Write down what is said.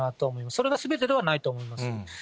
それがすべてではないと思います。